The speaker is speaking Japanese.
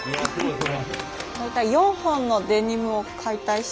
これ。